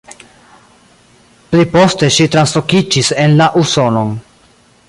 Pli poste ŝi translokiĝis en la Usonon.